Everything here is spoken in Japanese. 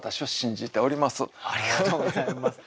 ありがとうございます。